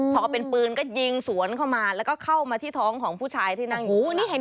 พอเป็นปืนก็ยิงสวนเข้ามาแล้วก็เข้ามาที่ท้องของผู้ชายที่นั่งอยู่